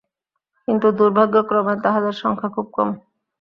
কিন্তু দুর্ভাগ্যক্রমে তাঁহাদের সংখ্যা খুব কম।